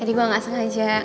tadi gue gak sengaja